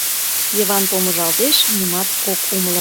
Йыван помыжалтеш — нимат ок умыло.